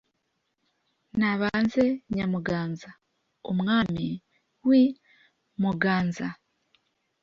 Nabanze Nyamuganza, Umwami w'i Muganza,